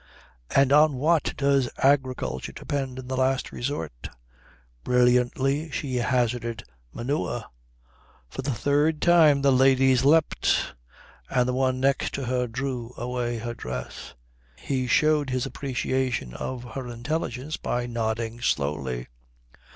"And on what does agriculture depend in the last resort?" Brilliantly she hazarded "Manure." For the third time the ladies leapt, and the one next to her drew away her dress. He showed his appreciation of her intelligence by nodding slowly.